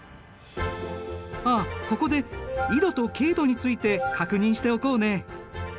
あっここで緯度と経度について確認しておこうね。